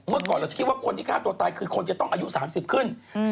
ก่อนเราจะคิดว่าคนที่ฆ่าตัวตายคือคนจะต้องอายุ๓๐ขึ้น